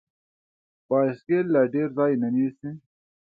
بایسکل له ډیر ځای نه نیسي.